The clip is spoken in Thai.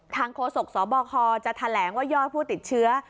โฆษกสบคจะแถลงว่ายอดผู้ติดเชื้อ